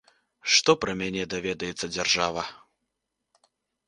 Што пра мяне даведаецца дзяржава?